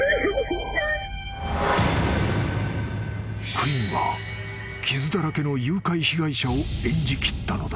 ［クインは傷だらけの誘拐被害者を演じ切ったのだ］